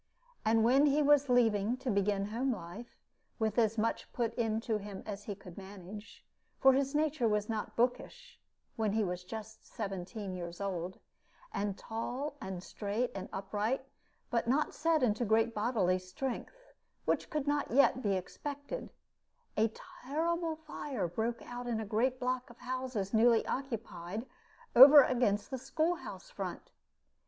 And when he was leaving to begin home life, with as much put into him as he could manage for his nature was not bookish when he was just seventeen years old, and tall and straight and upright, but not set into great bodily strength, which could not yet be expected, a terrible fire broke out in a great block of houses newly occupied, over against the school house front.